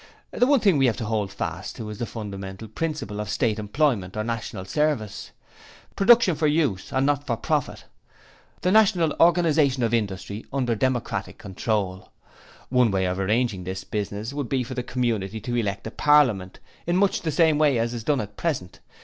The one thing we have to hold fast to is the fundamental principle of State employment or National service. Production for use and not for profit. The national organization of industry under democratic control. One way of arranging this business would be for the community to elect a Parliament in much the same way as is done at present.